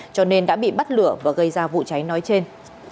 cho nên đã bị bắt lửa và gây ra vụ cháy nói trên